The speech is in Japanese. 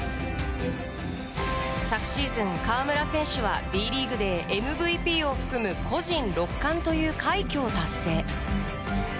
昨シーズン河村選手はＢリーグでＭＶＰを含む個人６冠という快挙を達成。